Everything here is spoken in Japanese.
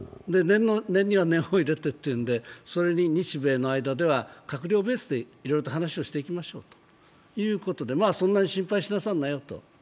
念には念を入れてというのでそれに日米の間では閣僚ベースでいろいろと話をしていきましょうということで、そんなに心配しなさんなよと。